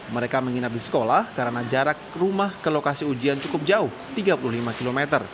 mereka menginap di sekolah karena jarak rumah ke lokasi ujian cukup jauh tiga puluh lima km